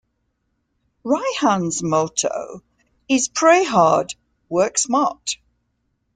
Raihan's motto is 'Pray Hard, Work Smart'.